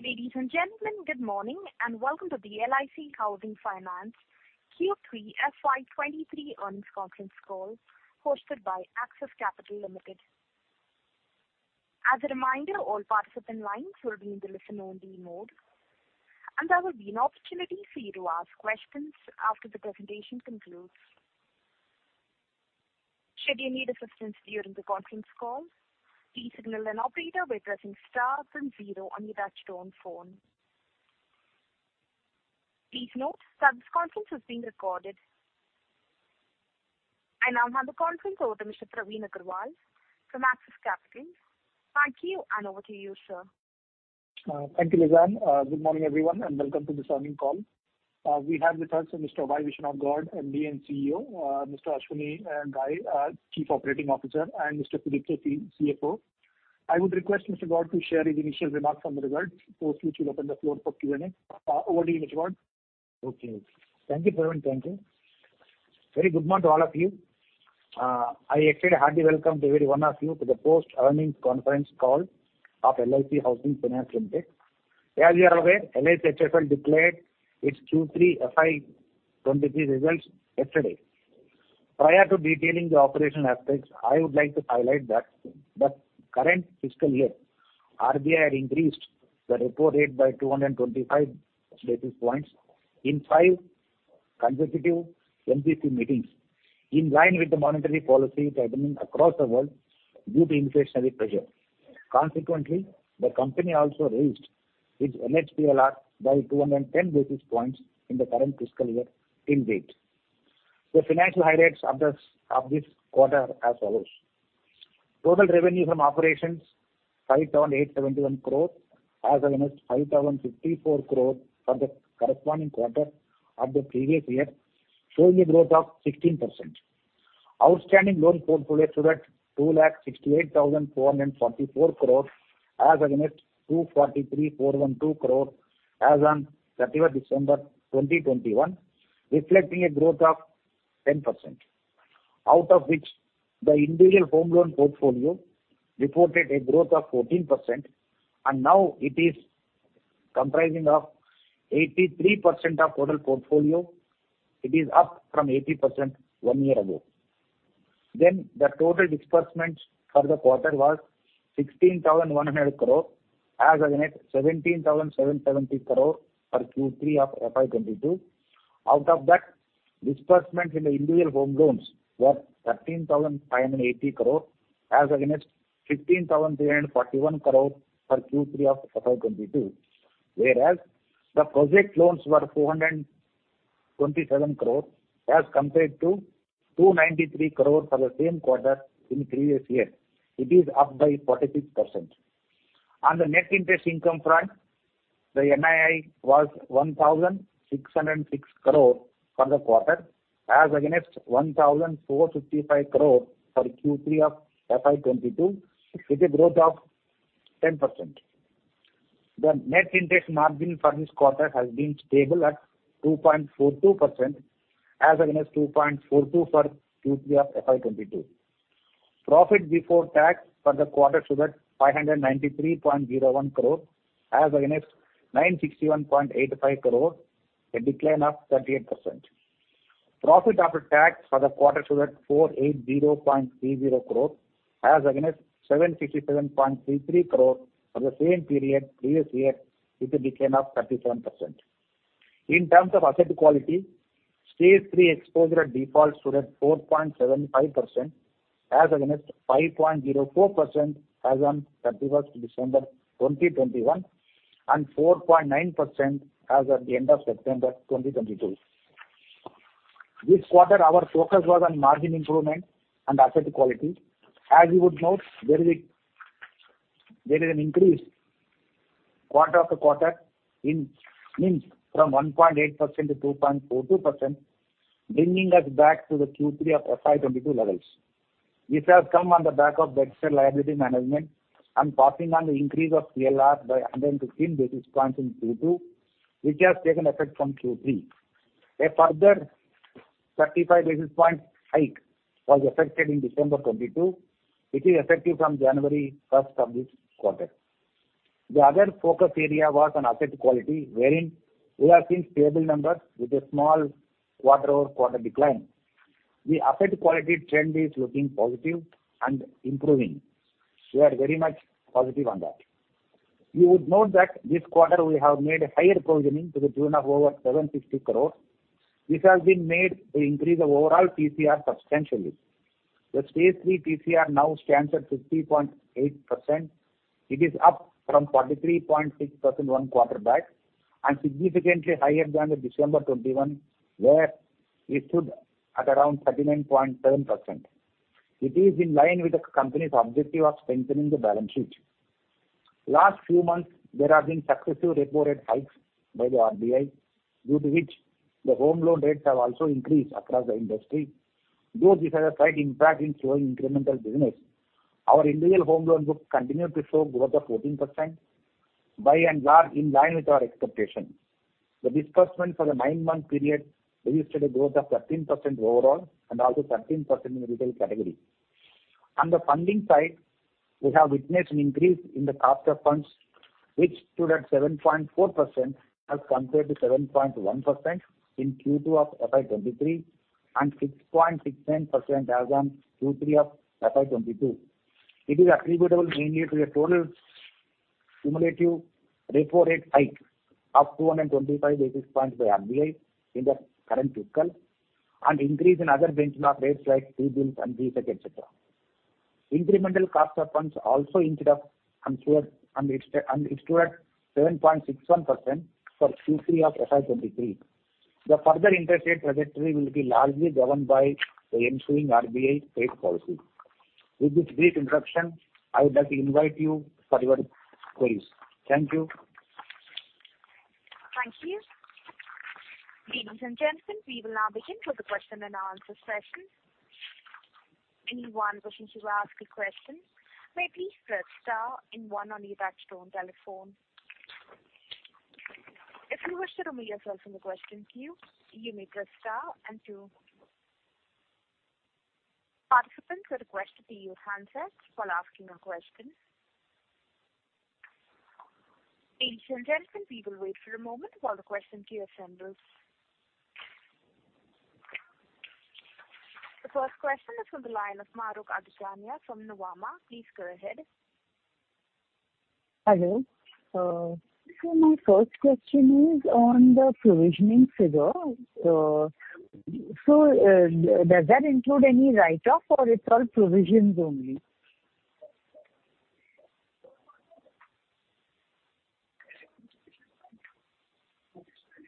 Ladies and gentlemen, good morning, welcome to the LIC Housing Finance Q3 FY23 earnings conference call hosted by Axis Capital Limited. As a reminder, all participant lines will be in the listen-only mode, and there will be an opportunity for you to ask questions after the presentation concludes. Should you need assistance during the conference call, please signal an operator by pressing star then zero on your touchtone phone. Please note that this conference is being recorded. I now hand the conference over to Mr. Praveen Agarwal from Axis Capital. Thank you, and over to you, sir. Thank you, Lizanne. Good morning, everyone, and welcome to this earnings call. We have with Mr. Y. Viswanatha Gowd, MD and CEO, Mr. Ashwani Ghai, our Chief Operating Officer, and Mr. Sudipto Sil, CFO. I would request Mr. Gowd to share his initial remarks on the results, post which we'll open the floor for Q&A. Over to you, Mr. Gowd. Okay. Thank you, Praveen. Thank you. Very good morning to all of you. I actually hardly welcome every one of you to the post-earnings conference call of LIC Housing Finance Limited. As you're aware, LHFSL declared its Q3 FY 2023 results yesterday. Prior to detailing the operational aspects, I would like to highlight that the current fiscal year, RBI increased the Repo Rate by 225 basis points in 5 consecutive MPC meetings, in line with the monetary policy happening across the world due to inflationary pressure. Consequently, the company also raised its LHPLR by 210 basis points in the current fiscal year to date. The financial highlights of this quarter are as follows. Total revenue from operations, 5,871 crore as against 5,054 crore for the corresponding quarter of the previous year, showing a growth of 16%. Outstanding loan portfolio stood at 268,444 crore as against 243,412 crore as on 31st December 2021, reflecting a growth of 10%. Out of which, the individual home loan portfolio reported a growth of 14%, now it is comprising of 83% of total portfolio. It is up from 80% one year ago. The total disbursements for the quarter was 16,100 crore as against 17,770 crore for Q3 of FY22. Out of that, disbursements in the individual home loans were 13,580 crore as against 15,341 crore for Q3 of FY22. The project loans were 427 crore as compared to 293 crore for the same quarter in previous year. It is up by 46%. On the net interest income front, the NII was 1,606 crore for the quarter as against 1,455 crore for Q3 of FY22, with a growth of 10%. The net interest margin for this quarter has been stable at 2.42% as against 2.42% for Q3 of FY22. Profit before tax for the quarter stood at 593.01 crore as against 961.85 crore, a decline of 38%. Profit after tax for the quarter stood at 480.30 crore as against 767.33 crore for the same period previous year, with a decline of 37%. In terms of asset quality, stage three exposure at default stood at 4.75% as against 5.04% as on 31st December 2021, and 4.9% as at the end of September 2022. This quarter, our focus was on margin improvement and asset quality. As you would note, there is a, there is an increase quarter after quarter in NIM from 1.8% to 2.42%, bringing us back to the Q3 of FY22 levels. This has come on the back of the extra liability management and passing on the increase of CLR by 115 basis points in Q2, which has taken effect from Q3. A further 35 basis point hike was affected in December 2022, which is effective from January 1st of this quarter. The other focus area was on asset quality, wherein we are seeing stable numbers with a small quarter-over-quarter decline. The asset quality trend is looking positive and improving. We are very much positive on that. You would note that this quarter we have made a higher provisioning to the tune of over 760 crore. This has been made to increase the overall PCR substantially. The stage three PCR now stands at 50.8%. It is up from 43.6% one quarter back and significantly higher than the December 2021 where it stood at around 39.7%. It is in line with the company's objective of strengthening the balance sheet. Last few months, there have been successive Repo Rate hikes by the RBI, due to which the home loan rates have also increased across the industry. Though this has a slight impact in slowing incremental business, our individual home loan book continued to show growth of 14%, by and large in line with our expectation. The disbursement for the nine-month period registered a growth of 13% overall and also 13% in retail category. On the funding side, we have witnessed an increase in the cost of funds which stood at 7.4% as compared to 7.1% in Q2 of FY 2023 and 6.69% as on Q3 of FY 2022. It is attributable mainly to a total cumulative repo rate hike of 225 basis points by RBI in the current fiscal and increase in other benchmark rates like T-bills and G-Sec, et cetera. Incremental cost of funds also in turn, and it stood at 7.61% for Q3 of FY2023. The further interest rate trajectory will be largely governed by the ensuing RBI rate policy. With this brief introduction, I would like to invite you for your queries. Thank you. Thank you. Ladies and gentlemen, we will now begin with the question and answer session. Anyone wishing to ask a question may please press star and one on your touchtone telephone. If you wish to remove yourself from the question queue, you may press star and two. Participants are requested to use handsets while asking a question. Ladies and gentlemen, we will wait for a moment while the question queue assembles. The first question is from the line of Madhu Ajwainia from Nuvama. Please go ahead. Hello. My first question is on the provisioning figure. Does that include any write-off or it's all provisions only?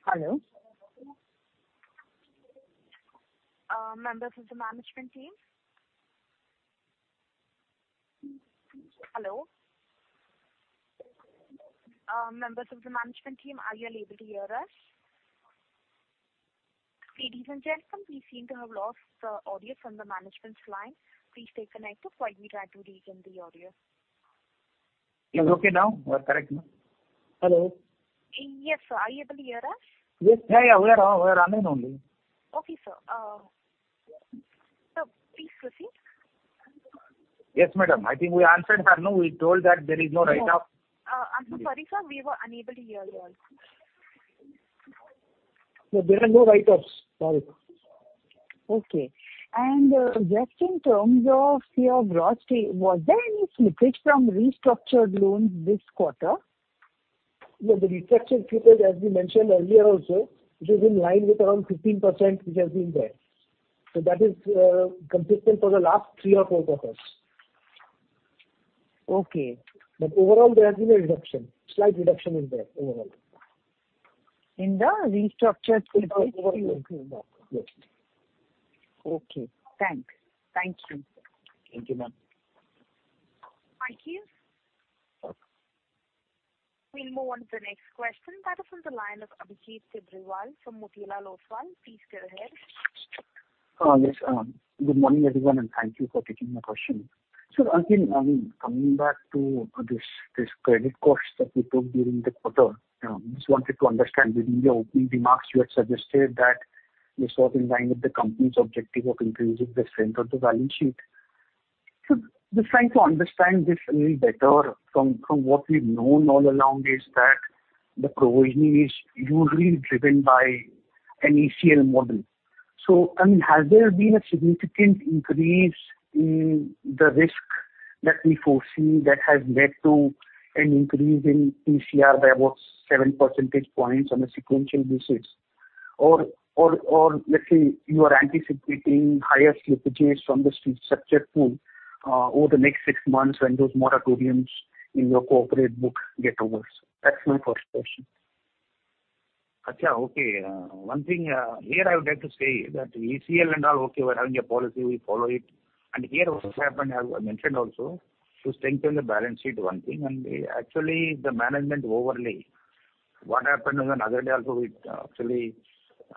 Hello? Members of the management team? Hello? Members of the management team, are you able to hear us? Ladies and gentlemen, we seem to have lost the audio from the management's line. Please stay connected while we try to regain the audio. Is it okay now? We're correct now. Hello. Yes. Are you able to hear us? Yes. Yeah, we are. We are online only. Okay, sir. Please proceed. Yes, madam. I think we answered her, no? We told that there is no write-off. No. I'm so sorry, sir. We were unable to hear you all. No, there are no write-offs. Sorry. Okay. Just in terms of your gross fee, was there any slippage from restructured loans this quarter? Yeah, the restructure slippage, as we mentioned earlier also, which is in line with around 15% which has been there. That is consistent for the last three or four quarters. Okay. Overall there has been a slight reduction in their overall. In the restructured slippage- In the restructured, yes. Okay, thanks. Thank you. Thank you, ma'am. Thank you. Okay. We'll move on to the next question. That is on the line of Abhijit Tibrewala from Motilal Oswal. Please go ahead. Yes. Good morning, everyone, and thank you for taking my question. Again, coming back to this credit cost that we took during the quarter, just wanted to understand. During your opening remarks you had suggested that this was in line with the company's objective of increasing the strength of the balance sheet. Just trying to understand this a little better from what we've known all along is that the provisioning is usually driven by an ACL model. I mean, has there been a significant increase in the risk that we foresee that has led to an increase in TCR by about 7 percentage points on a sequential basis? Or let's say you are anticipating higher slippages from the structured pool over the next six months when those moratoriums in your corporate book get over. That's my first question. Abhijit. Okay. One thing, here I would like to say that ECL and all, okay, we're having a policy, we follow it. Here what happened, as I mentioned also, to strengthen the balance sheet, one thing, and actually the management overlay. What happened is on other day also we actually,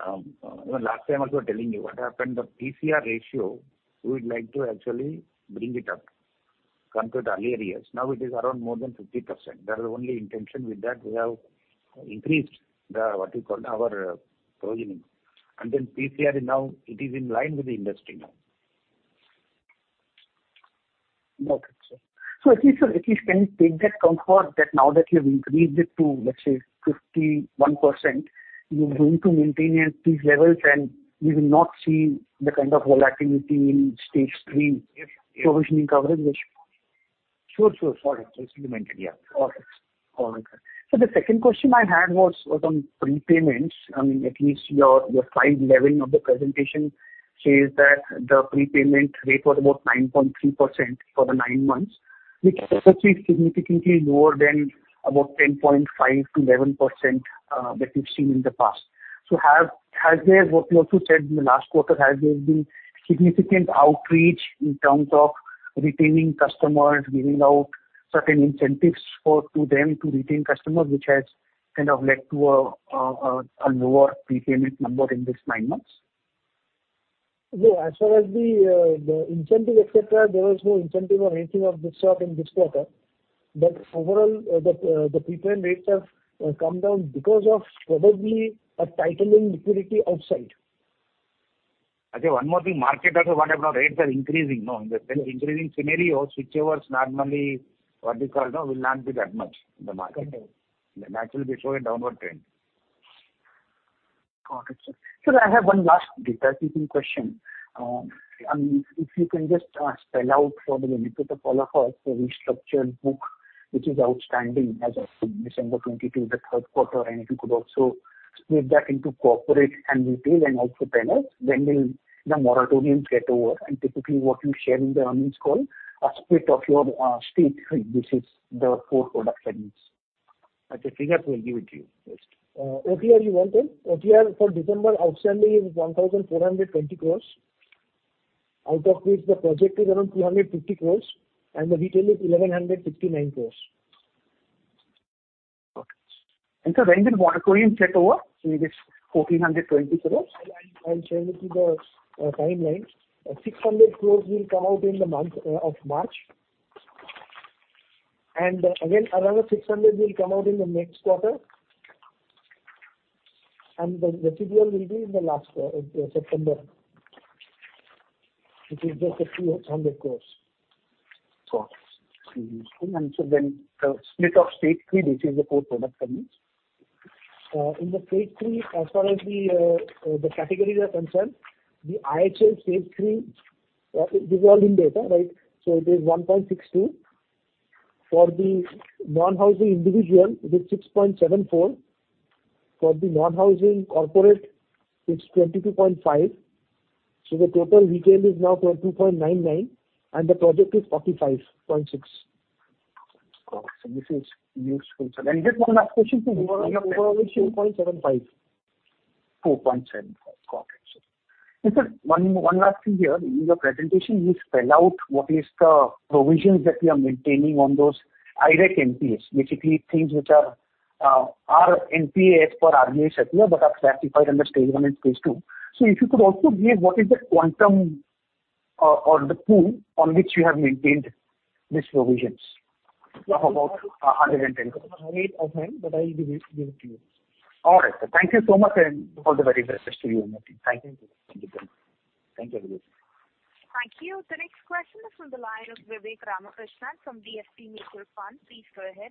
last time also telling you what happened, the TCR ratio, we would like to actually bring it up compared to earlier years. Now it is around more than 50%. That is the only intention. With that, we have increased the, what you call, our provisioning. TCR is now, it is in line with the industry now. Okay, sir. At least, sir, at least can we take that comfort that now that you have increased it to, let's say, 51%, you're going to maintain at these levels and we will not see the kind of volatility in stage three provisioning coverage ratio? Yes, yes. Sure, sure. All right. That's really meant, yeah. All right. All right. The second question I had was on prepayments. I mean, at least your slide 11 of the presentation says that the prepayment rate was about 9.3% for the nine months, which is actually significantly lower than about 10.5%-11% that we've seen in the past. Have, has there... What you also said in the last quarter, has there been significant outreach in terms of retaining customers, giving out certain incentives for, to them to retain customers, which has kind of led to a lower prepayment number in this nine months? No. As far as the incentive, et cetera, there was no incentive or anything of this sort in this quarter. Overall, the prepayment rates have come down because of probably a tightening liquidity outside. Okay, one more thing, market also whatever rates are increasing, no, in the increasing scenario, switchovers normally, what you call, no, will not be that much in the market. Correct. That will be showing downward trend. Got it, sir. Sir, I have one last data-digging question. If you can just spell out for the benefit of all of us the restructured book which is outstanding as of December 2022, the third quarter, and if you could also split that into corporate and retail and also tell us when will the moratoriums get over and typically what you share in the earnings call, a split of your Stage Three, this is the core product earnings. Okay. Tejas will give it to you this. OTR you wanted. OTR for December outstanding is 1,420 crores, out of which the project is around 350 crores and the retail is 1,159 crores. Okay. Sir, when will moratoriums get over? It is 1,420 crores. I'll share with you the timelines. 600 crores will come out in the month of March. Again, another 600 will come out in the next quarter. The residual will be in the last September, which is just a few hundred crores. Got it. The split of Stage 3, this is the core product earnings. In the Stage Three, as far as the categories are concerned, the IHL Stage Three, this is all in data, right? It is 1.62. For the non-housing individual it is 6.74. For the non-housing corporate, it's 22.5. The total retail is now 20.99 and the project is 45.6. Got it. This is useful, sir. Just one last question, sir. Overall is 4.75. 4.75. Got it, sir. Sir, one last thing here. In your presentation you spell out what is the provisions that you are maintaining on those high-risk NPAs. Basically things which are NPA as per RBI criteria but are classified under Stage One and Stage Two. If you could also give what is the quantum or the pool on which you have maintained these provisions. Of about INR 110 crores. I don't have it on hand, but I will give it to you. All right, sir. Thank you so much, and all the very best wishes to you and your team. Thank you. Thank you. Thank you everyone. Thank you. The next question is from the line of Vivek Ramakrishnan from DSP Mutual Fund. Please go ahead.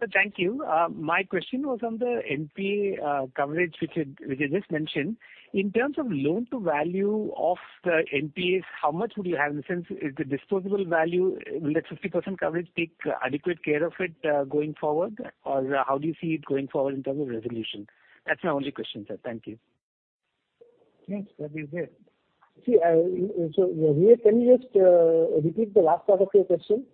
Sir, thank you. My question was on the NPA coverage which you just mentioned. In terms of loan to value of the NPAs, how much would you have in the sense is the disposable value, will that 50% coverage take adequate care of it going forward? How do you see it going forward in terms of resolution? That's my only question, sir. Thank you. Yes, that is there. Vivek, can you just repeat the last part of your question?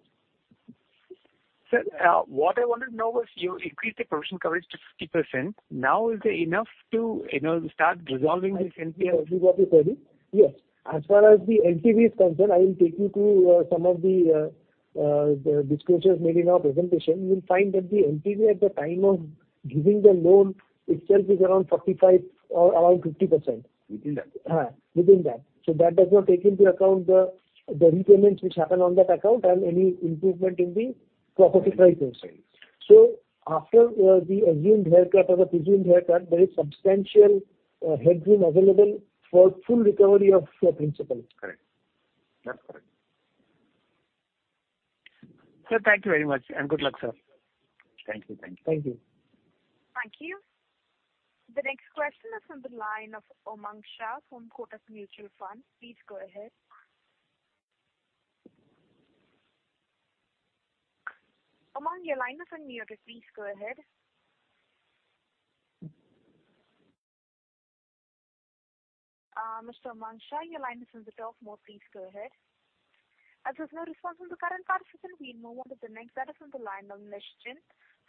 Sir, what I wanted to know was you increased the provision coverage to 50%. Now is it enough to, you know, start resolving this NPA? I think I understood what you said. Yes. As far as the LTV is concerned, I will take you to some of the disclosures made in our presentation. You'll find that the LTV at the time of giving the loan itself is around 45% or around 50%. Within that? Yes, within that. That does not take into account the repayments which happen on that account and any improvement in the property prices. Okay. After the assumed haircut or the presumed haircut, there is substantial headroom available for full recovery of principal. Correct. That's correct. Sir, thank you very much, and good luck, sir. Thank you. Thank you. Thank you. Thank you. The next question is from the line of Umang Papneja from Kotak Mutual Fund. Please go ahead. Umang, your line is unmuted. Please go ahead. Mr. Umang Papneja, your line is on the talk mode. Please go ahead. As there's no response from the current participant, we move on to the next. That is on the line of Nishant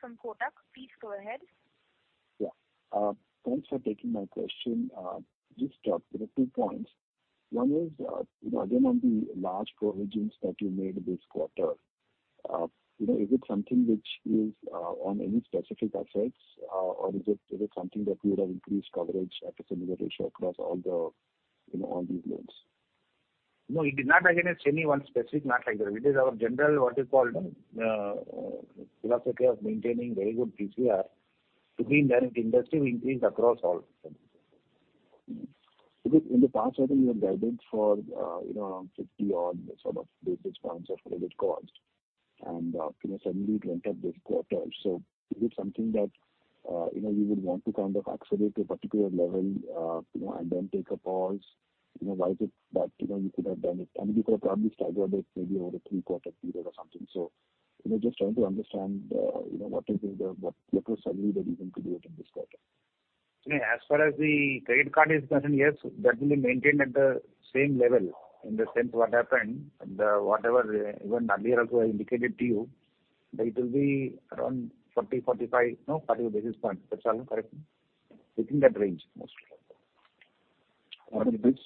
from Kotak. Please go ahead. Thanks for taking my question. Just two points. One is, you know, again, on the large provisions that you made this quarter, you know, is it something which is on any specific assets, or is it something that you would have increased coverage at a similar ratio across all the, you know, all these loans? No, it is not against any one specific, not like that. It is our general what is called, philosophy of maintaining very good PCR to be in line with industry, we increased across all. Because in the past, I think you had guided for, you know, around 50 odd sort of basis points of credit cost and, you know, suddenly it went up this quarter. Is it something that, you know, you would want to kind of accelerate to a particular level, you know, and then take a pause? You know, why is it that, you know, you could have done it? I mean, you could have probably staggered it maybe over a three-quarter period or something. You know, just trying to understand, you know, what led to suddenly the reason to do it in this quarter. Yeah. As far as the credit card is concerned, yes, that will be maintained at the same level. In the sense what happened, the whatever even earlier also I indicated to you that it will be around 40, 45, no, 40 basis points. Is that so? Correct me. Within that range mostly. What is this?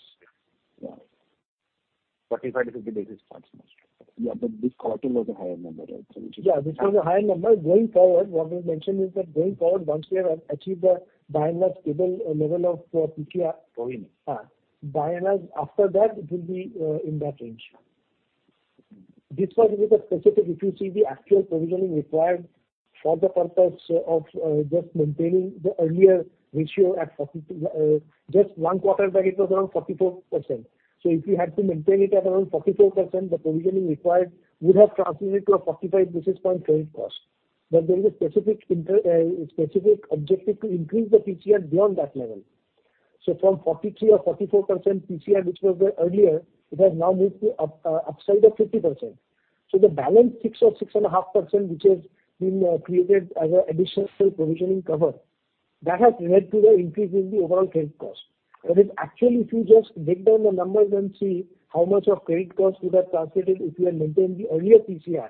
45-50 basis points mostly. Yeah, this quarter was a higher number, right? Which is- Yeah, this was a higher number. Going forward, what we've mentioned is that going forward once we have achieved a, by and large stable, level of, PCR- Oh, I know. By and large after that it will be in that range. This was because specific, if you see the actual provisioning required for the purpose of just maintaining the earlier ratio at 40, just 1 quarter back it was around 44%. If you had to maintain it at around 44%, the provisioning required would have translated to a 45 basis point credit cost. But there is a specific objective to increase the PCR beyond that level. From 43% or 44% PCR, which was there earlier, it has now moved to upside of 50%. The balance 6% or 6.5% which has been created as a additional provisioning cover, that has led to the increase in the overall credit cost. That is actually, if you just break down the numbers and see how much of credit cost would have translated if we had maintained the earlier PCR,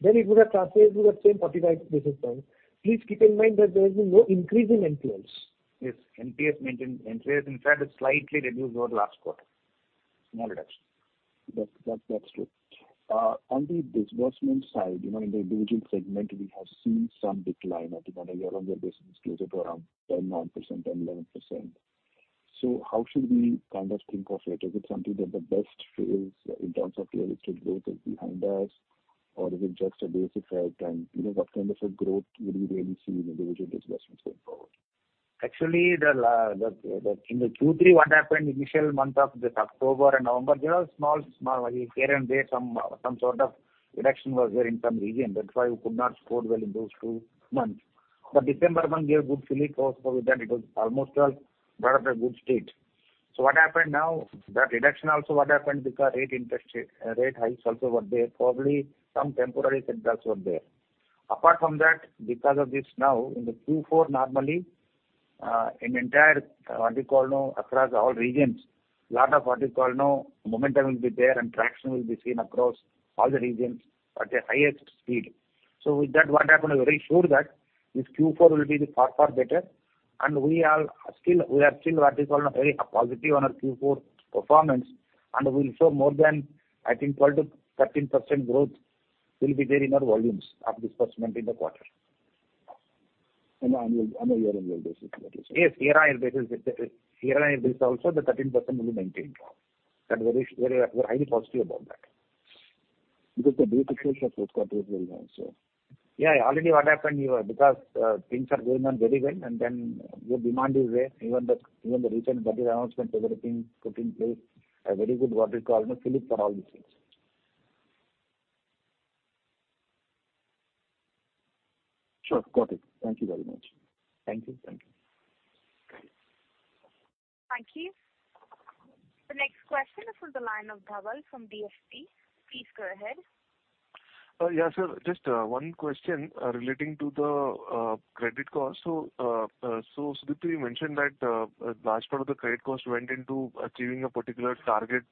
then it would have translated to the same 45 basis point. Please keep in mind that there has been no increase in NPLs. Yes. NPLs maintained. NPLs in fact has slightly reduced over the last quarter. Small reduction. That's true. On the disbursement side, you know, in the individual segment we have seen some decline at the moment year-on-year basis, closer to around 10%, 9%, 10%, 11%. How should we kind of think of it? Is it something that the best phase in terms of credit growth is behind us or is it just a basic fact? You know, what kind of a growth will you really see in individual disbursements going forward? Actually, in the Q3, what happened, initial month of this October and November, there are small, here and there some sort of reduction was there in some region. That's why we could not score well in those two months. December month gave good fillip for us because then it was almost brought up a good state. What happened now, that reduction also what happened because rate interest rate hikes also were there, probably some temporary setbacks were there. Apart from that, because of this now in the Q4 normally, in entire, what you call no, across all regions, lot of what you call no momentum will be there and traction will be seen across all the regions at a highest speed. With that, what happened is very sure that this Q4 will be far better and we are still what is called very positive on our Q4 performance and we will show more than I think 12%-13% growth will be there in our volumes of disbursement in the quarter. On an annual, on a year-on-year basis, that is. Yes, year on year basis also the 13% will be maintained. That very, we're highly positive about that. The beat officials are fourth quarter is very well, so. Yeah. Already what happened, you know, because things are going on very well and then good demand is there. Even the recent Budget announcement, everything put in place a very good what you call no fillip for all these things. Sure. Got it. Thank you very much. Thank you. Thank you. Thank you. The next question is from the line of Dhaval from BST. Please go ahead. Yeah, sir, just 1 question relating to the credit cost. Sudipto, you mentioned that a large part of the credit cost went into achieving a particular target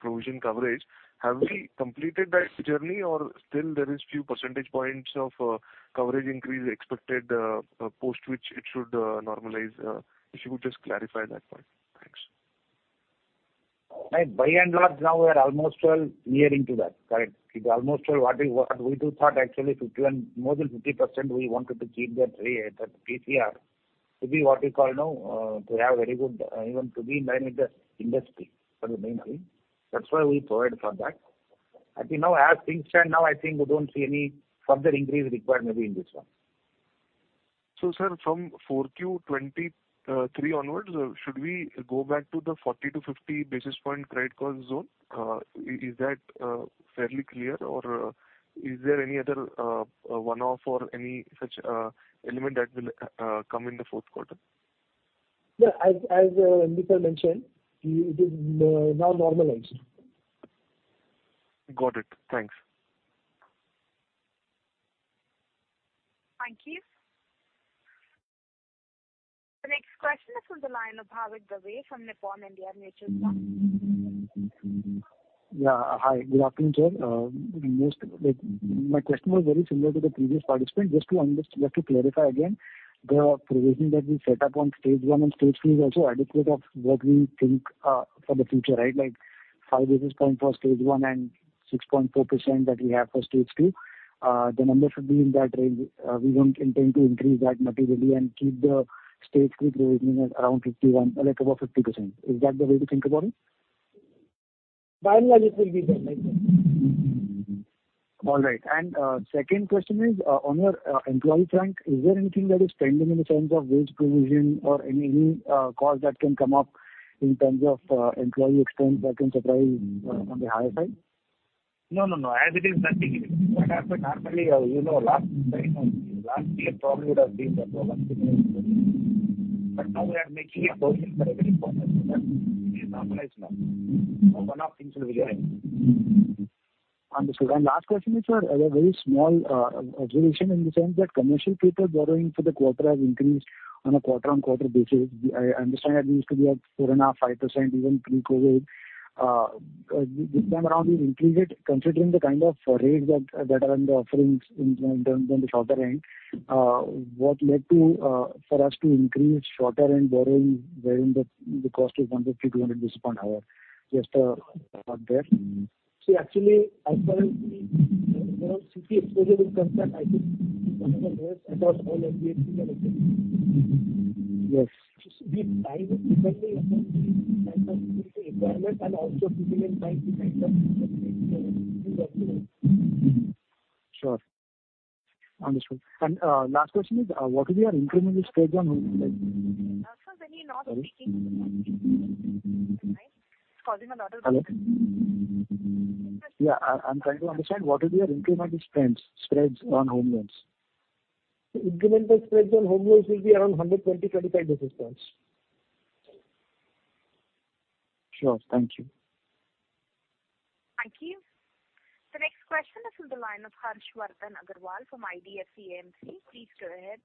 provision coverage. Have we completed that journey or still there is few percentage points of coverage increase expected, post which it should normalize? If you could just clarify that point. Thanks. Like by and large now we are almost, well, nearing to that. Correct. It's almost, well, what we do thought actually 50% and more than 50% we wanted to keep that PCR to be what you call no, to have very good, even to be in line with the industry for the main thing. That's why we provide for that. I think now as things stand now, I think we don't see any further increase required maybe in this one. Sir, from 4Q '23 onwards, should we go back to the 40 to 50 basis point credit cost zone? Is that fairly clear or is there any other one-off or any such element that will come in the fourth quarter? Yeah. As Nabil sir mentioned, it is now normalized. Got it. Thanks. Thank you. The next question is from the line of Bhavik Dave from Nippon India Mutual Fund. Hi, good afternoon to all. Most, like, my question was very similar to the previous participant. Just to clarify again, the provision that we set up on stage one and stage two is also adequate of what we think for the future, right? Like 5 basis point for stage one and 6.4% that we have for stage two. The numbers would be in that range. We don't intend to increase that materially and keep the stage two provisioning at around 51, a little above 50%. Is that the way to think about it? By and large it will be there, like that. All right. Second question is, on your employee front, is there anything that is pending in terms of wage provision or any cost that can come up in terms of employee expense that can surprise on the higher side? No, no. As it is, nothing is there. What happens normally, you know, last time, last year probably would have been the problem but now we are making a provision very, very purposely that it is normalized now. One-off things will be there. Understood. Last question is, a very small, observation in the sense that commercial paper borrowing for the quarter has increased on a quarter-on-quarter basis. I understand that we used to be at 4.5%, 5% even pre-COVID. This time around we increased it considering the kind of rates that are on the offerings in terms on the shorter end, what led to, for us to increase shorter end borrowing wherein the cost is 150, 200 basis point higher? Just, about that. See actually as per-. Around CRE exposure will come down, I think, about all NBFCs are looking. Yes. The timing depending upon the requirement and also giving in time the kind of Sure. Understood. Last question is, what is your incremental spreads on home loans? sir, can you not repeat It's causing a lot of- Hello. Yeah. I'm trying to understand what is your incremental spreads on home loans? Incremental spreads on home loans will be around 120, 25 basis points. Sure. Thank you. Thank you. The next question is from the line of Harshvardhan Agarwal from IDFC AMC. Please go ahead.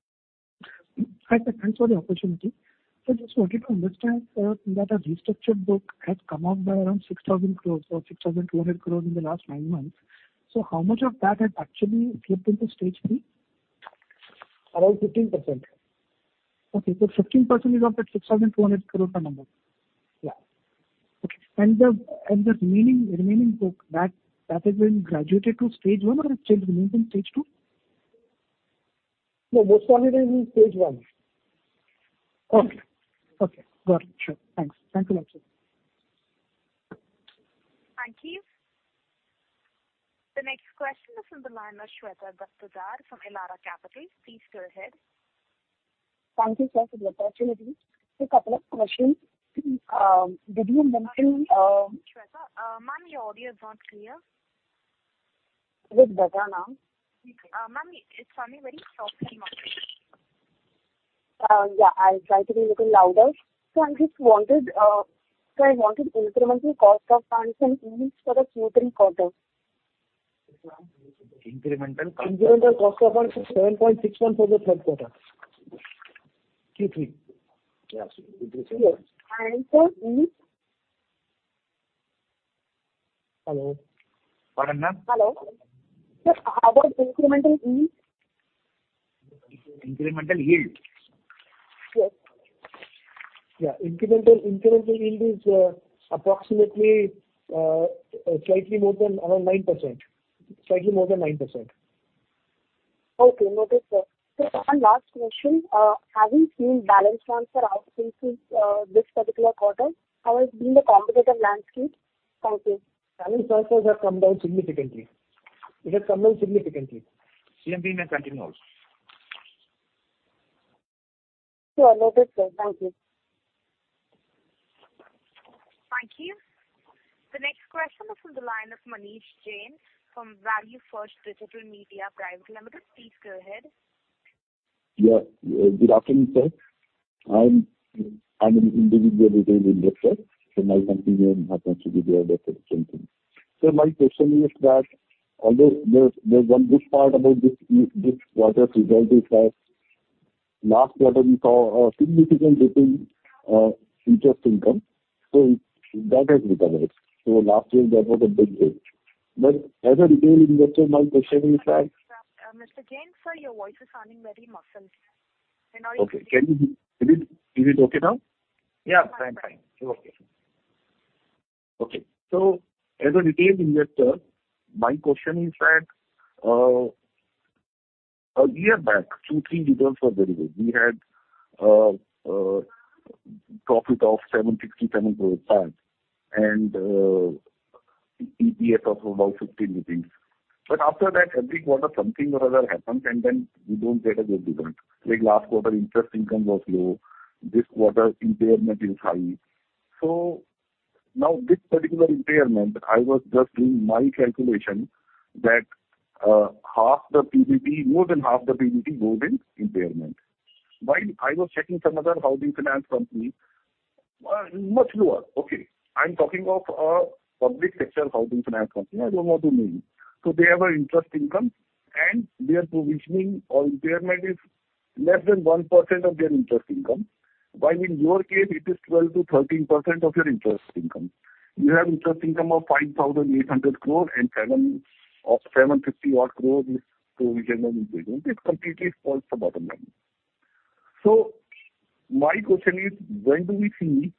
Hi, sir. Thanks for the opportunity. just wanted to understand, that a restructured book has come up by around 6,000 crores or 6,200 crores in the last 9 months. how much of that had actually flipped into Stage 3? About 15%. Okay. 15% is of that 6,200 crore number? Yeah. Okay. The remaining book that has been graduated to stage 1 or it still remains in stage 2? No, most of it is in stage 1. Okay. Okay, got it. Sure. Thanks. Thank you very much, sir. Thank you. The next question is from the line of Shweta Daptardar from Elara Capital. Please go ahead. Thank you, sir, for the opportunity. A couple of questions. Did you mention. Shweta. ma'am, your audio is not clear. It's better now. Okay. ma'am, it's coming very softly. Yeah, I'll try to be little louder. I wanted incremental cost of funds and yields for the Q3 quarter. Incremental cost. Incremental cost of funds is 7.61% for the third quarter. Q3. Yes. Yes. Sir, yields. Hello. Pardon, ma'am. Hello. How about incremental yields? Incremental yield? Yes. Yeah. Incremental yield is approximately slightly more than around 9%. Slightly more than 9%. Okay. Noted, sir. One last question. Have you seen balance transfer outsource this particular quarter? How has been the competitive landscape? Thank you. Balance transfers have come down significantly. It has come down significantly. CMP may continue also. Sure. Noted, sir. Thank you. Thank you. The next question is from the line of Manish Jain from Valuefirst Digital Media Private Limited. Please go ahead. Good afternoon, sir. I'm an individual retail investor, my company name has not to be there, that's the same thing. My question is that, although there's one good part about this quarter result is that last quarter we saw a significant decline, interest income. That has recovered. Last year that was a big hit. As a retail investor, my question is that. Mr. Jain, sir, your voice is sounding very muffled. We're not able to hear you. Okay. Can you... Is it okay now? Yeah. Fine. Fine. Okay. Okay. As a retail investor, my question is that, a year back, Q3 results were very good. We had profit of 767.5 and EPS of about 15 rupees. After that, every quarter something or other happens, we don't get a good result. Last quarter interest income was low, this quarter impairment is high. Now this particular impairment, I was just doing my calculation that, half the PBT, more than half the PBT goes in impairment. While I was checking some other housing finance company, much lower. Okay, I'm talking of a public sector housing finance company. I don't want to name. They have a interest income and their provisioning or impairment is less than 1% of their interest income. While in your case it is 12%-13% of your interest income. You have interest income of 5,800 crore and 700-750 crore is provision and impairment. It completely spoils the bottom line. My question is, when do we see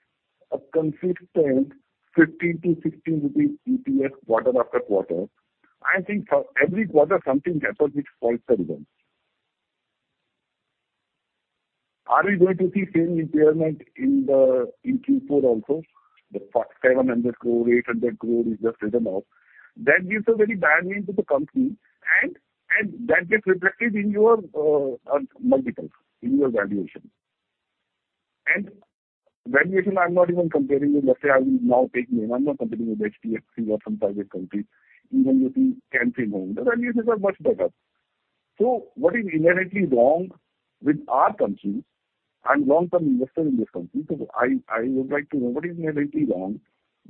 a consistent 15-16 rupees EPS quarter after quarter? I think for every quarter something happens which spoils the results. Are we going to see same impairment in Q4 also? The 700 crore, 800 crore is just written off. That gives a very bad name to the company and that gets reflected in your multiples, in your valuation. Valuation, I'm not even comparing with... Let's say, I will now take name. I'm not comparing with HDFC or some private company, even UTI, Canara Bank. The valuations are much better. What is inherently wrong with our company? I'm long-term investor in this company, so I would like to know what is inherently wrong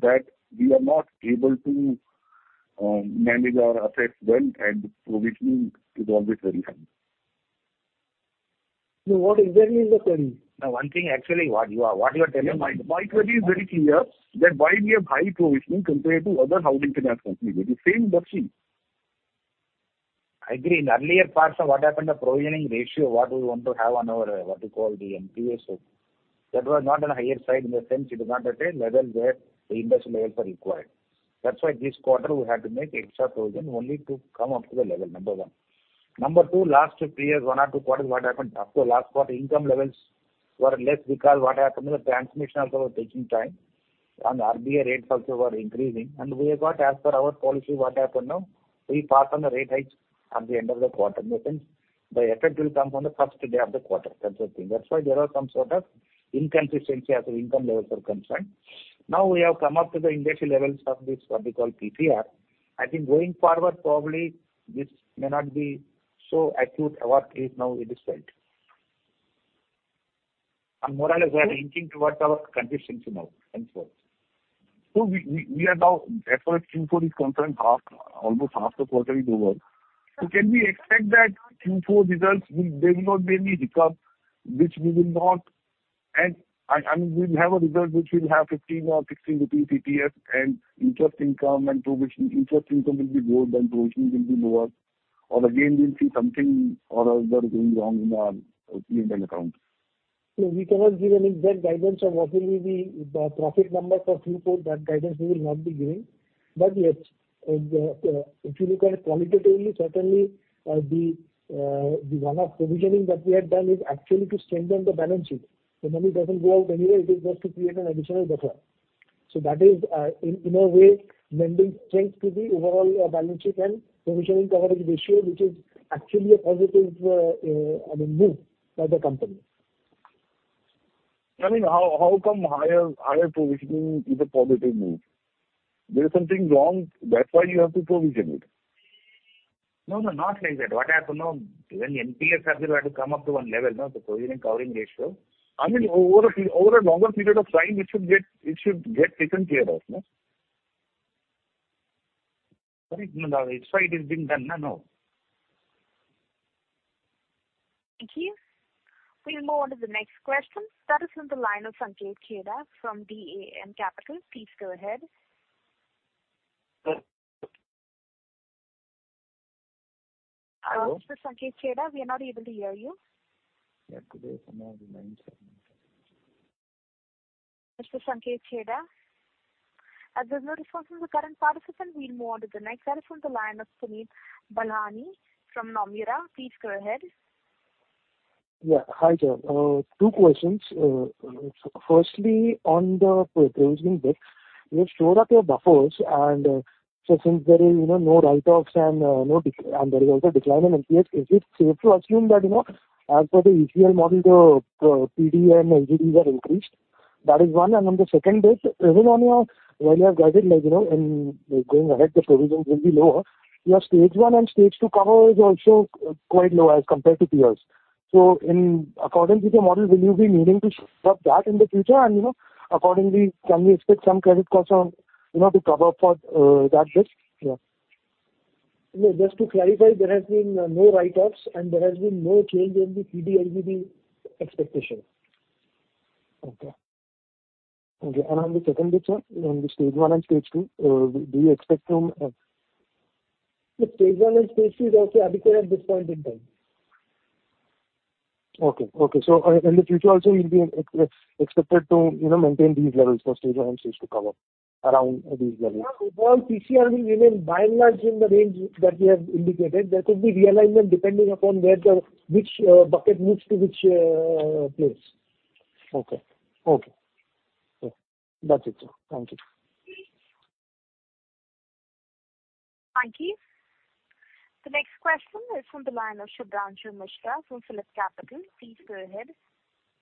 that we are not able to manage our assets well and provisioning is always very high. What exactly is the query? Now one thing, actually, what you are telling. My query is very clear that why we have high provisioning compared to other housing finance companies with the same book size? I agree. In earlier parts of what happened, the provisioning ratio, what we want to have on our, what you call, the NPAs, so that was not on a higher side in the sense it is not at a level where the industry levels are required. That's why this quarter we had to make extra provision only to come up to the level, number one. Number two, last three years, one or two quarters, what happened? After last quarter, income levels were less because what happened, the transmission also was taking time and the RBI rates also were increasing. We have got as per our policy, what happened now, we pass on the rate hikes at the end of the quarter. In a sense, the effect will come on the first day of the quarter, that's the thing. That's why there are some sort of inconsistency as the income levels are concerned. Now, we have come up to the industry levels of this, what we call, PPR. I think going forward, probably this may not be so acute or is now it is felt. More or less we are inching towards our consistency now and so on. We are now as far as Q4 is concerned, almost half the quarter is over. Can we expect that Q4 results there will not be any hiccup and we will have a result which will have 15 or 16 rupees PTS and interest income and provision. Interest income will be good and provisions will be lower. Again, we will see something or other going wrong in our P&L account? We cannot give an exact guidance on what will be the profit number for Q4. That guidance we will not be giving. Yes, if you look at it qualitatively, certainly, the one-off provisioning that we have done is actually to strengthen the balance sheet. The money doesn't go out anywhere, it is just to create an additional buffer. That is, in a way lending strength to the overall balance sheet and provisioning coverage ratio, which is actually a positive, I mean, move by the company. I mean, how come higher provisioning is a positive move? There is something wrong, that's why you have to provision it. No, no, not like that. What happened now, even NPAs have to come up to one level no, the provisioning covering ratio. I mean, over a longer period of time, it should get written clear off, no? Correct. That's why it is being done now, no? Thank you. We'll move on to the next question. That is from the line of Sanket Chheda from DAM Capital. Please go ahead. Hello? Mr. Sanket Chheda, we are not able to hear you. Yeah, could you somehow remind him? Mr. Sanket Chheda? As there's no response from the current participant, we'll move on to the next. That is from the line of Sunil Balani from Nomura. Please go ahead. Hi, sir. Two questions. Firstly, on the provisioning bit, you have shored up your buffers, so since there is, you know, no write-offs and there is also decline in NPAs, is it safe to assume that, you know, as per the ECL model, the PD and LGDs are increased? That is one. The second is even on your while you have guided, like, you know, in going ahead the provisions will be lower, your stage one and stage two cover is also quite low as compared to peers. So in accordance with your model, will you be needing to shore up that in the future? And, you know, accordingly, can we expect some credit costs on, you know, to cover for that risk? No, just to clarify, there has been no write-offs and there has been no change in the PD LGD expectation. Okay. Okay. On the second bit, sir, on the stage one and stage two, do you expect? The stage 1 and stage 2 is okay adequate at this point in time. Okay. Okay. In the future also you'll be expected to, you know, maintain these levels for stage one and stage two cover around these levels. Yeah. Overall PCR will remain by and large in the range that we have indicated. There could be realignment depending upon where the, which, bucket moves to which place. Okay. Okay. Yeah. That's it, sir. Thank you. Thank you. The next question is from the line of Shubhranshu Mishra from PhillipCapital. Please go ahead.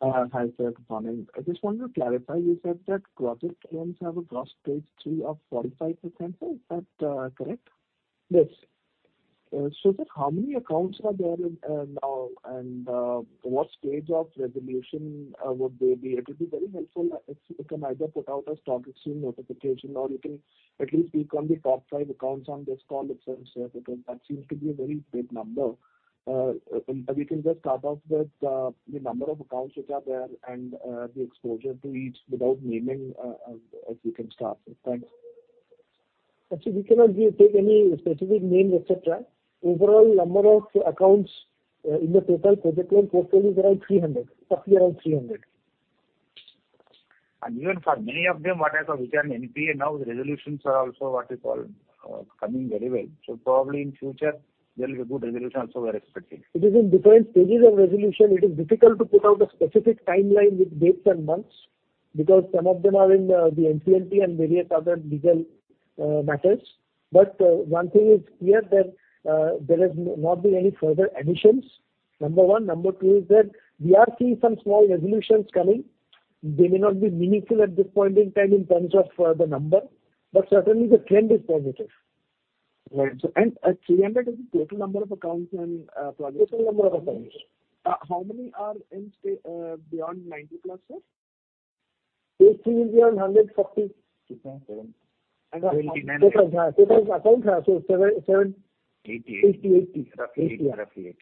Hi, Sir. Good morning. I just wanted to clarify, you said that project loans have a gross stage two of 45%. Is that correct? Yes. How many accounts are there in now and what stage of resolution would they be? It will be very helpful if you can either put out a stock exchange notification or you can at least speak on the top five accounts on this call itself, sir, because that seems to be a very big number. If you can just start off with the number of accounts which are there and the exposure to each without naming, if you can start, sir. Thanks. Actually, we cannot give, take any specific names, et cetera. Overall number of accounts, in the total project loan portfolio is around 300. Roughly around 300. Even for many of them what has become NPA now, the resolutions are also what is called, coming very well. Probably in future there will be a good resolution also we are expecting. It is in different stages of resolution. It is difficult to put out a specific timeline with dates and months because some of them are in the NCLT and various other legal matters. One thing is clear that there has not been any further additions, number 1. Number 2 is that we are seeing some small resolutions coming. They may not be meaningful at this point in time in terms of further number, but certainly the trend is positive. Right. 300 is the total number of accounts. Total number of accounts. How many are in beyond 90 plus, sir? Stage three will be around 140. Total. Total accounts. 80. 80. Roughly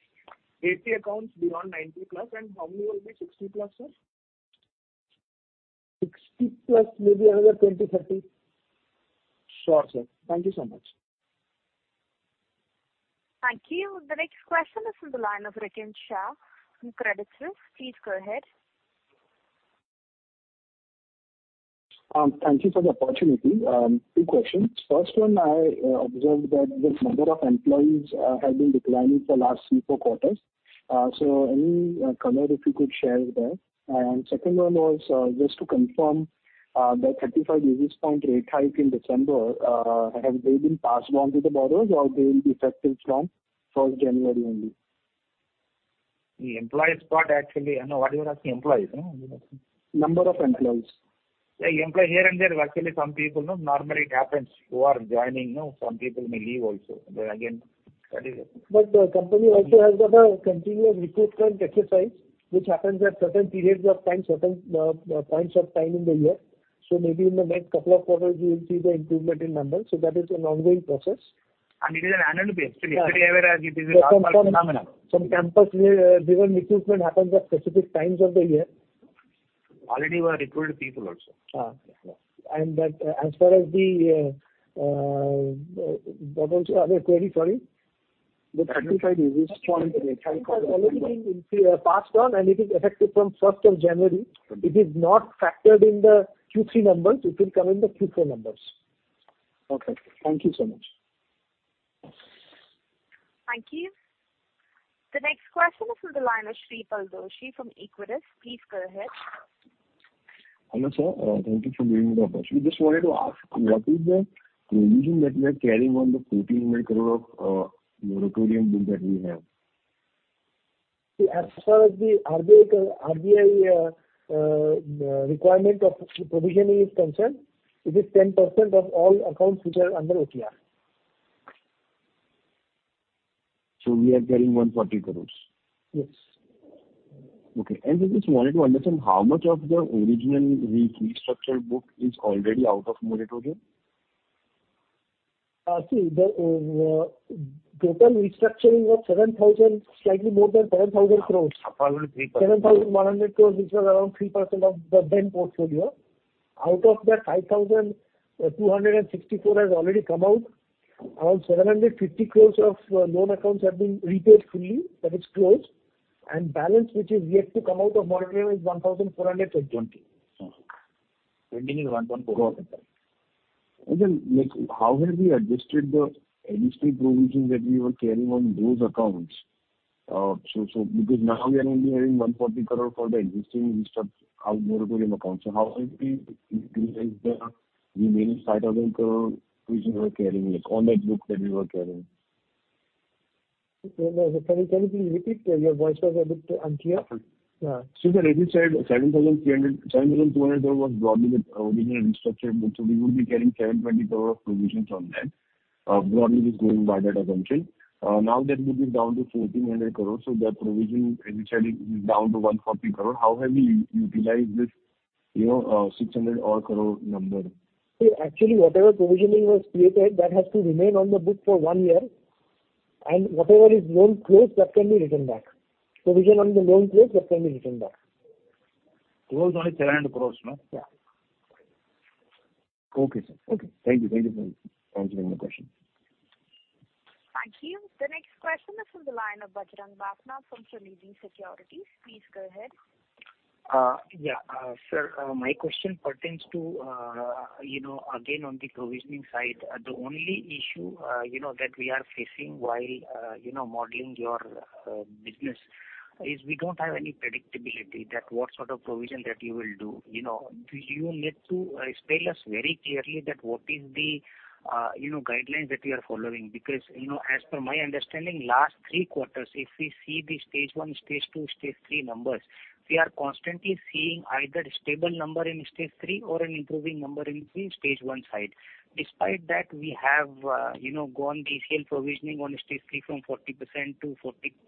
80. 80 accounts beyond 90+. How many will be 60+, sir? 6+ maybe another 20, 30. Sure, sir. Thank you so much. Thank you. The next question is from the line of Rikin Shah from Credit Suisse. Please go ahead. Thank you for the opportunity. Two questions. First one, I observed that this number of employees have been declining for last three, four quarters. So any color if you could share there. Second one was just to confirm the 35 basis point rate hike in December, have they been passed on to the borrowers or they will be effective from first January only? The employees part actually I know what you are asking. Employees, no? Number of employees. Yeah, employee here and there is actually some people, no. Normally it happens who are joining, no. Some people may leave also. Then again, that is it. The company also has got a continuous recruitment exercise which happens at certain periods of time, certain points of time in the year. Maybe in the next couple of quarters you will see the improvement in numbers. That is an ongoing process. It is an annual basis. Yeah. Every year we are. It is a normal phenomenon. Some campus re-driven recruitment happens at specific times of the year. Already we have recruited people also. And that as far as the, what was your other query? Sorry.The 35 basis point rate hike It has already been passed on and it is effective from 1st of January. Okay. It is not factored in the Q3 numbers. It will come in the Q4 numbers. Okay. Thank you so much. Thank you. The next question is from the line of Shreepal Doshi from Equirus. Please go ahead. Hello, sir. Thank you for giving me the opportunity. Just wanted to ask, what is the provision that we are carrying on the 14 million crore of moratorium book that we have? As far as the RBI requirement of provisioning is concerned, it is 10% of all accounts which are under OTR. We are carrying INR 140 crores? Yes. Okay. We just wanted to understand how much of the original re-restructured book is already out of moratorium. see the total restructuring of 7,000, slightly more than 10,000 crores. Around 3%. 7,100 crores, which was around 3% of the then portfolio. Out of that, 5,264 crores has already come out. Around 750 crores of loan accounts have been repaid fully. That is closed. Balance, which is yet to come out of moratorium, is 1,420 crores. Oh. Pending is 1.4. Correct, sir. Like, how have we adjusted the existing provisions that we were carrying on those accounts? So because now we are only having 140 crore for the existing out moratorium accounts. How have we utilized the remaining INR 5,000 crore which we were carrying, like on that book that we were carrying? Can you please repeat? Your voice was a bit unclear. Sure, sir. As you said, INR 7,300, 7,200 crore was broadly the original restructured book, we would be carrying 720 crore of provisions on that. Broadly speaking, by that I'm saying. Now that book is down to 1,400 crore, that provision initially is down to 140 crore. How have we utilized this, you know, 600 odd crore number? See, actually, whatever provisioning was created, that has to remain on the book for one year and whatever is loan closed, that can be written back. Provision on the loan closed that can be written back. Closed only 700 crores, no? Yeah. Okay, sir. Okay. Thank you. Thank you for answering my question. Thank you. The next question is from the line of Bajrang Bafna from Sunidhi Securities. Please go ahead. Yeah. Sir, my question pertains to, you know, again, on the provisioning side. The only issue, you know, that we are facing while, you know, modeling your business is we don't have any predictability that what sort of provision that you will do. You know, do you need to spell us very clearly that what is the, you know, guidelines that you are following? You know, as per my understanding, last 3 quarters if we see the stage one, stage two, stage three numbers, we are constantly seeing either stable number in stage three or an improving number in stage one side. Despite that, we have, you know, gone retail provisioning on stage three from 40% to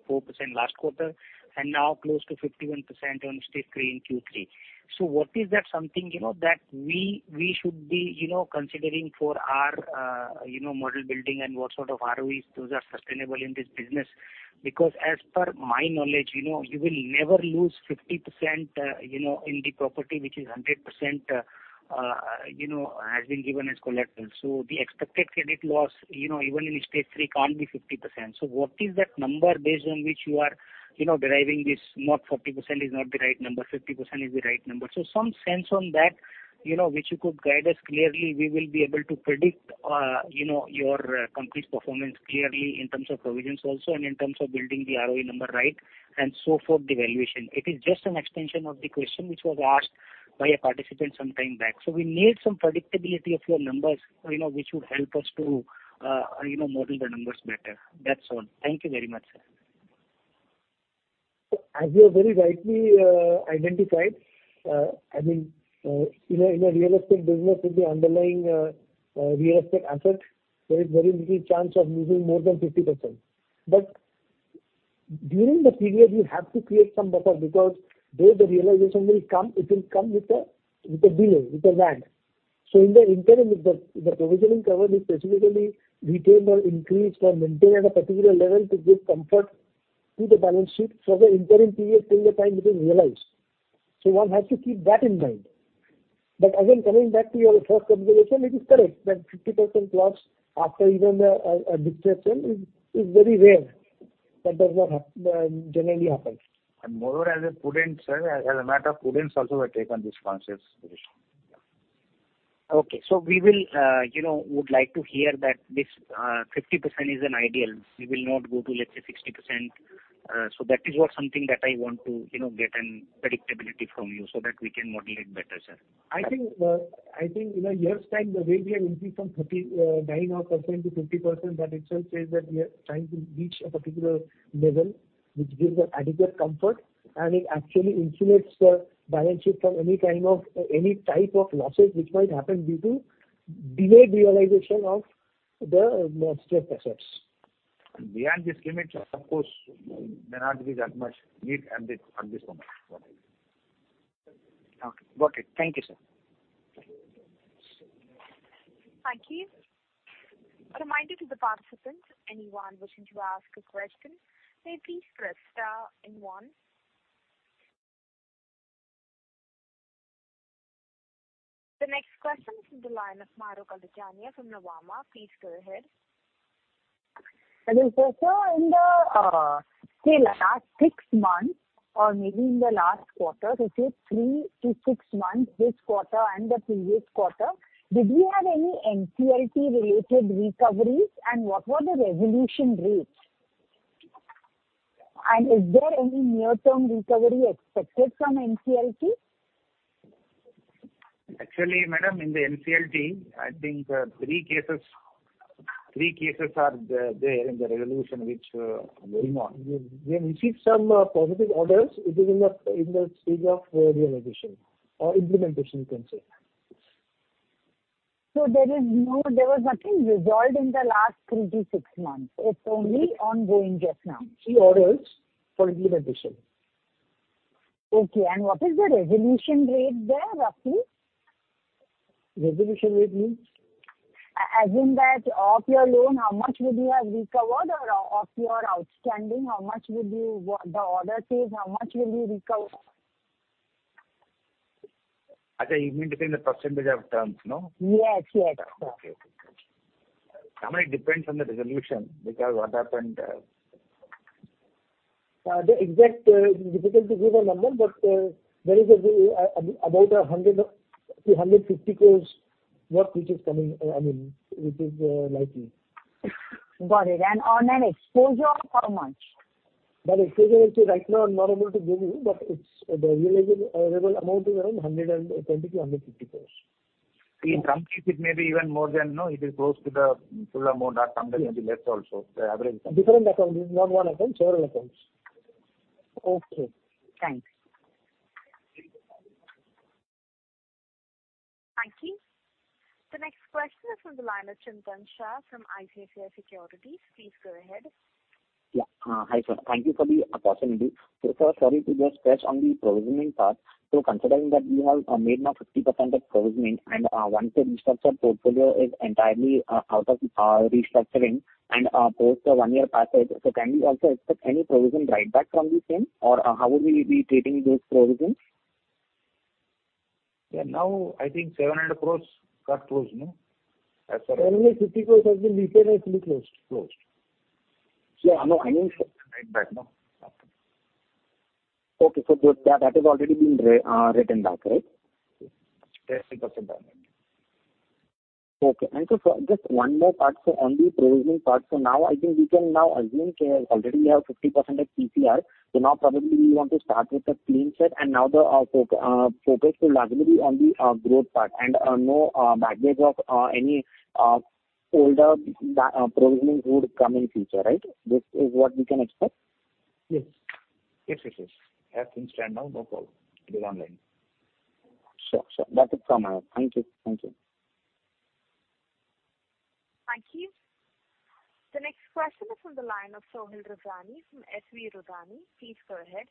44% last quarter, and now close to 51% on stage three in Q3. What is that something, you know, that we should be, you know, considering for our, you know, model building and what sort of ROEs those are sustainable in this business? Because as per my knowledge, you know, you will never lose 50%, you know, in the property which is 100%, you know, has been given as collateral. The expected credit loss, you know, even in stage three can't be 50%. What is that number based on which you are, you know, deriving this not 40% is not the right number, 50% is the right number. Some sense on that, you know, which you could guide us clearly, we will be able to predict, you know, your company's performance clearly in terms of provisions also and in terms of building the ROE number right, and so forth the valuation. It is just an extension of the question which was asked by a participant some time back. We need some predictability of your numbers, you know, which would help us to, you know, model the numbers better. That's all. Thank you very much, sir. As you have very rightly identified, in a real estate business with the underlying real estate asset, there is very little chance of losing more than 50%. During the period you have to create some buffer because though the realization will come, it will come with a delay, with a lag. In the interim, if the provisioning cover is specifically retained or increased or maintained at a particular level to give comfort to the balance sheet for the interim period till the time it is realized. One has to keep that in mind. Again, coming back to your first observation, it is correct that 50% loss after even a distress sale is very rare. That does not generally happen. Moreover, as a prudence, sir, as a matter of prudence also we take on this conscious position. Okay. We will, you know, would like to hear that this, 50% is an ideal. We will not go to, let's say, 60%. That is what something that I want to, you know, get an predictability from you so that we can model it better, sir. I think, I think in a year's time the way we have increased from 39 odd % to 50%, that itself says that we are trying to reach a particular level which gives us adequate comfort. It actually insulates the balance sheet from any type of losses which might happen due to delayed realization of the stressed assets. Beyond this limit, of course, may not be that much need at this moment. Okay. Got it. Thank you, sir. Thank you. A reminder to the participants, anyone wishing to ask a question, may please press star and one. The next question is from the line of Manoj Garg from Nuvama. Please go ahead. Hello, sir. In the, say, last six months or maybe in the last quarter, say three to six months, this quarter and the previous quarter, did we have any NCLT related recoveries and what were the resolution rates? Is there any near-term recovery expected from NCLT? Actually, madam, in the NCLT, I think, three cases are there in the resolution which are going on. We received some positive orders. It is in the stage of realization or implementation, you can say. There was nothing resolved in the last 3-6 months. It's only ongoing just now. Three orders for realization. Okay. What is the resolution rate there roughly? Resolution rate means? As in that of your loan, how much would you have recovered or of your outstanding, how much would you... The order says how much will you recover? You mean to say in the percentage of terms, no? Yes, yes. Okay. Okay. I mean, it depends on the resolution because what happened. The exact, difficult to give a number, but there is about 100-150 crores worth which is coming, I mean, which is likely. Got it. On an exposure of how much? That exposure actually right now I'm not able to give you, but it's the realizable, available amount is around 120 crore-150 crore. In some cases it may be even more than, no, it is close to the full amount or sometimes it may be less also, the average. Different accounts. It is not one account, several accounts. Okay. Thanks. Thank you. The next question is from the line of Chintan Shah from ICICI Securities. Please go ahead. Yeah. Hi, sir. Thank you for the opportunity. First, sorry to just touch on the provisioning part. Considering that we have made now 50% of provisioning and once the restructured portfolio is entirely out of restructuring and post the one year passage, can we also expect any provision write back from the same or how will we be treating those provisions? Yeah, now I think 700 crores got closed, no? Only 50 crores has been repaid and fully closed. Closed. Yeah. No, I mean write back. No. Okay. That has already been written back, right? Yes, 50% done. Okay. Just one more part, so on the provisioning part, so now I think we can now assume, say, already we have 50% of CCR, so now probably we want to start with a clean slate and now the focus will largely be on the growth part and no baggage of any older provisioning would come in future, right? This is what we can expect. Yes. Yes, yes. Everything stand now, no problem. Will online. Sure. Sure. Thank you. Thank you. Thank you. The next question is from the line of Sohil Rege from S V Rindani & Associates. Please go ahead.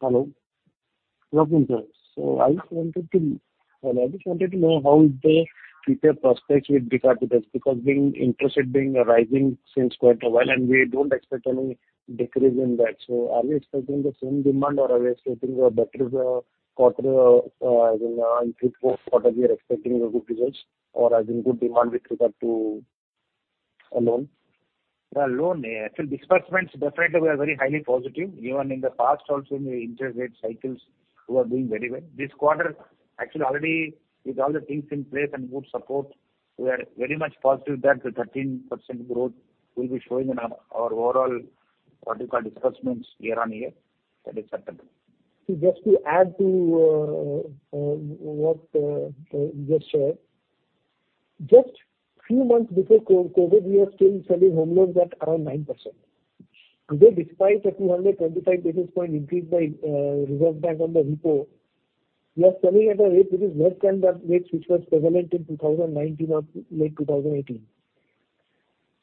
Hello. Welcome, sir. I just wanted to know how the retail prospects will be for Q best because being interest rate being rising since quite a while and we don't expect any decrease in that. Are we expecting the same demand or are we expecting a better quarter as in in Q4 quarter we are expecting a good results or as in good demand with regard to loans? Yeah, loan, actually disbursements definitely were very highly positive. Even in the past also in the interest rate cycles we are doing very well. This quarter actually already with all the things in place and good support, we are very much positive that the 13% growth will be showing in our overall what you call disbursements year-over-year. That is certain. Just to add to what you just shared. Just few months before COVID, we were still selling home loans at around 9%. Today, despite a 225 basis point increase by Reserve Bank on the repo, we are selling at a rate which is less than the rates which was prevalent in 2019 or late 2018.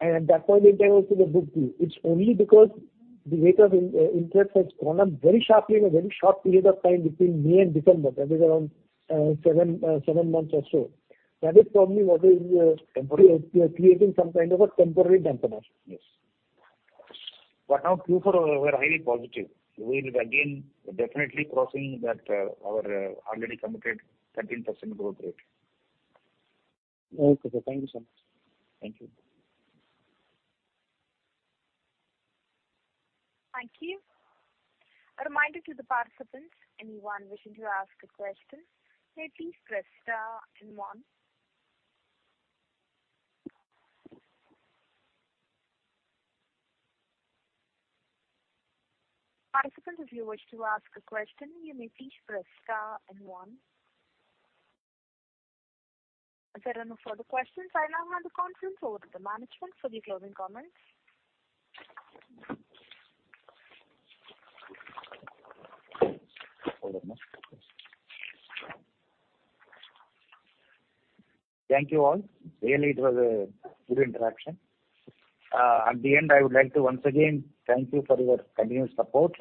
At that point in time also the book grew. It's only because the rate of interest has gone up very sharply in a very short period of time between May and December, that is around 7 months or so. That is probably what is. Temporary. creating some kind of a temporary dampener. Yes. Now Q4 we're highly positive. We will again definitely crossing that, our, already committed 13% growth rate. Okay. Thank you so much. Thank you. Thank you. A reminder to the participants, anyone wishing to ask a question, may please press star and one. Participants, if you wish to ask a question, you may please press star and one. If there are no further questions, I now hand the conference over to the management for the closing comments. Thank you all. Really it was a good interaction. At the end, I would like to once again thank you for your continued support,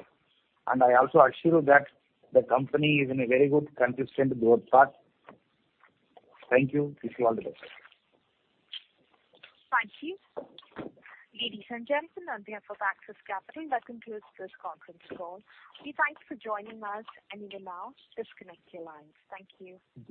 and I also assure you that the company is in a very good consistent growth path. Thank you. Wish you all the best. Thank you. Ladies and gentlemen, on behalf of Axis Capital, that concludes this conference call. We thank you for joining us, and you may now disconnect your lines. Thank you.